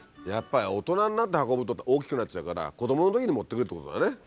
やっぱり大人になって運ぶと大きくなっちゃうから子どものときに持っていくってことだね。